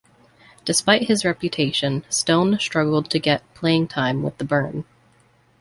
Despite his reputation, Stone struggled to get playing time with the Burn.